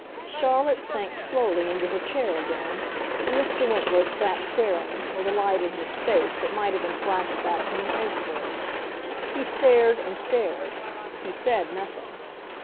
Charlotte sank slowly into her chair again, and Mr. Wentworth sat staring, with a light in his face that might have been flashed back from an iceberg. He stared and stared; he said nothing.